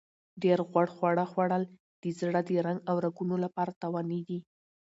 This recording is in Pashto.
ډېر غوړ خواړه خوړل د زړه د رنګ او رګونو لپاره تاواني دي.